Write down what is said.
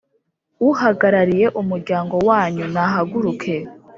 Uhagagarariye umuryango wanyu nahaguruke